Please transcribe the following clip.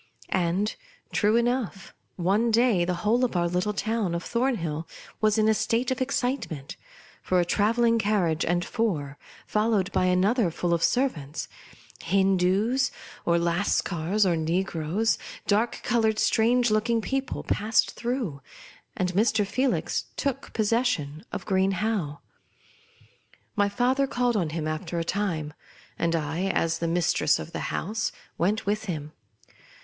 And, true enough, one day, the whole of our little town of Thornhill was in a state of exritemont; for a travelling carriage and four, followed by another full of servants — Hindoos, or Lascars, SBmlea Dickens. THE OLD LADY'S STORY. '4:1b or Negroes; dark coloured, strange looking people — passed through, and Mr. Felix took possession of Green Howe. My father called on him after a time ; and I, as the mistress of the house, went with him.